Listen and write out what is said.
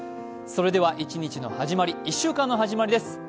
それでは一日の始まり、１週間の始まりです。